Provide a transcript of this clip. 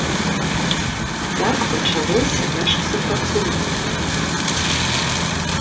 Так пачалося наша супрацоўніцтва.